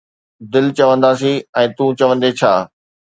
دل چونداسين، ۽ تون چوندين ڇا